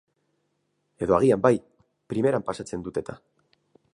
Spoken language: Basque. Edo agian bai, primeran pasatzen dut-eta.